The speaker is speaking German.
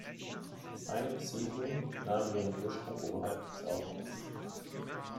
Seine Besiedlung nahm ihren Ursprung oberhalb des Aubachs.